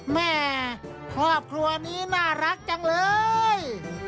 แม่ครอบครัวนี้น่ารักจังเลย